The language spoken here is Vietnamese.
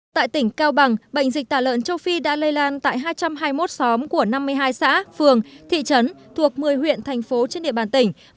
tại tỉnh cao bằng bệnh dịch tả lợn châu phi đã lây lan tại hai trăm hai mươi một xóm của năm mươi hai xã phường thị trấn thuộc một mươi huyện thành phố trên địa bàn tỉnh